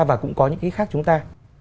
và cũng có những cái khác chúng ta